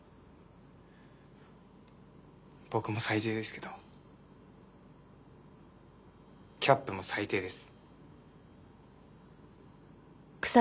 僕も最低ですけどキャップも最低です。